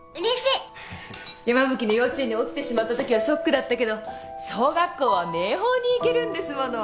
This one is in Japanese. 山吹の幼稚園に落ちてしまったときはショックだったけど小学校は明峰に行けるんですもの。